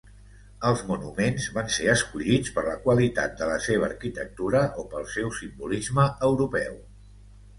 Els monuments van ser escollits per la qualitat de la seva arquitectura o pel seu simbolisme europeu.